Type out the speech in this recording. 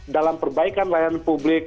dalam perbaikan layanan publik